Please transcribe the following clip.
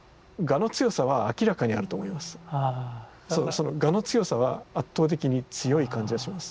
その我の強さは圧倒的に強い感じがします。